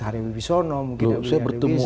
haryawisono saya bertemu